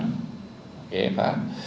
dengan pembengkakan di dada leher